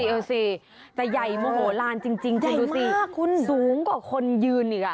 เอาสิจะใหญ่โมโหลานจริงคุณดูสิสูงกว่าคนยืนอีกอ่ะ